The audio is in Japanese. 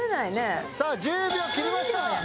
さあ１０秒切りました！